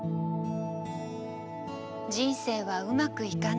人生はうまくいかない。